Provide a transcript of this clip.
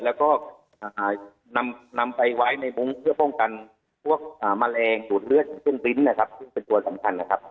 แล้วก็นำไปไว้ในมุ้งเพื่อป้องกันพวกแมลงดูดเลือดเส้นบริ้นนะครับซึ่งเป็นตัวสำคัญนะครับ